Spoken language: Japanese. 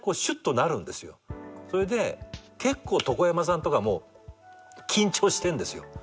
それで結構床山さんとかも緊張してんですよ。